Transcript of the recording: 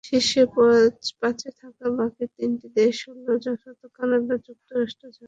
শীর্ষ পাঁচে থাকা বাকি তিনটি দেশ হলো যথাক্রমে কানাডা, যুক্তরাষ্ট্র, জার্মানি।